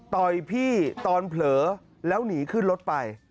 ต่อยพี่ตอนเผลอแล้วหนีขึ้นรถไป